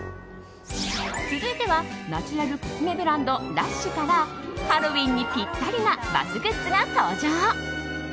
続いてはナチュラルコスメブランドＬＵＳＨからハロウィーンにピッタリなバスグッズが登場。